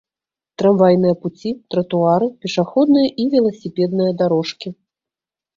Трамвайныя пуці, тратуары, пешаходныя і веласіпедныя дарожкі